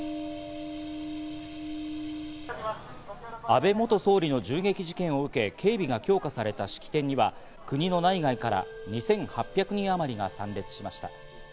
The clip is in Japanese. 安倍元総理の銃撃事件を受け、警備が強化された式典には国の内外から２８００人あまりが参列しました。